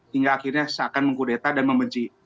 hingga akhirnya seakan mengkudeta dan membenci